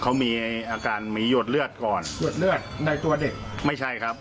เขามีอาการมีหยดเลือดก่อนหวดเลือดในตัวเด็กไม่ใช่ครับ